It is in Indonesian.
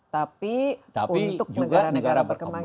tapi untuk negara negara berkembang